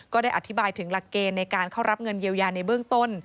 ก็ได้อธิบายถึงหลักเกณฑ์ในการเข้ารับเงินเยียวยาในเบื้องต้น